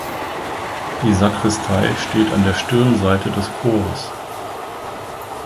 Die Sakristei steht an der Stirnseite des Chores.